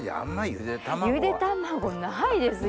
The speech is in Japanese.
ゆで卵ないですよ。